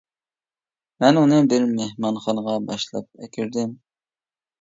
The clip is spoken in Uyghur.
مەن ئۇنى بىر مېھمانخانىغا باشلاپ ئەكىردىم.